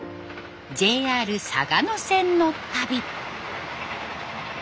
ＪＲ嵯峨野線の旅。